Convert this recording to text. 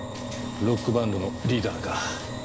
ロックバンドのリーダーか。